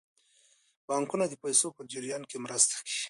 بانکونه د پیسو په جریان کې مرسته کوي.